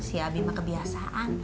si abi mah kebiasaan